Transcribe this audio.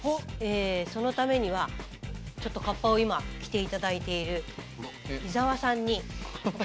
そのためにはちょっとカッパを今着て頂いている伊澤さんに。